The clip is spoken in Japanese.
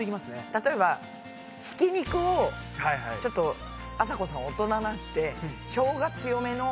例えばひき肉をちょっとあさこさん大人なんでしょうが強めの。